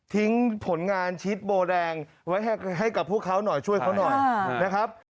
ผลงานชิดโบแดงไว้ให้กับพวกเขาหน่อยช่วยเขาหน่อยนะครับ